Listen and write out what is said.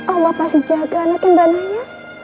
allah pasti jaga anak yang mbak naya